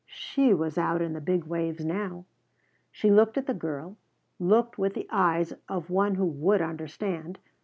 She was out in the big waves now. She looked at the girl; looked with the eyes of one who would understand.